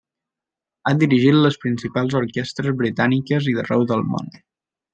Ha dirigit les principals orquestres britàniques i d'arreu del món.